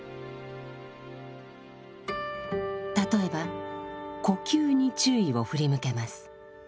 例えば呼吸に注意を振り向けます。